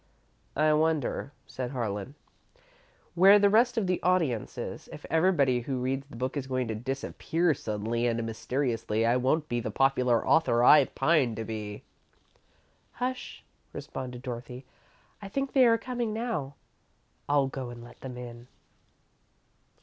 "I wonder," said Harlan, "where the rest of the audience is? If everybody who reads the book is going to disappear suddenly and mysteriously, I won't be the popular author that I pine to be." "Hush," responded Dorothy; "I think they are coming now. I'll go and let them in."